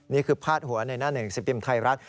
พาดหัวในหน้าหนึ่งสิบพิมพ์ไทยรัฐ